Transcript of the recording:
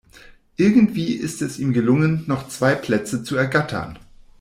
Irgendwie ist es ihm gelungen, noch zwei Plätze zu ergattern.